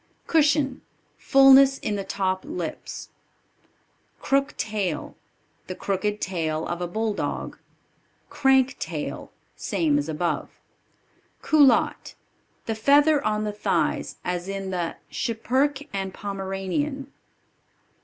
Cushion. Fulness in the top lips. Crook tail. The crooked tail of a Bulldog. Crank tail. Same as above. Culotte. The feather on the thighs, as in the Schipperke and Pomeranian.